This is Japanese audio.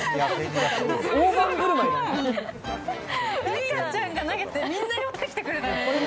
ゆいなちゃんが投げて、みんな寄ってきてくれたね。